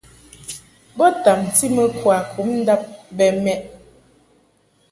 Bo tamti mɨ kwakum ndab bɛ mɛʼ.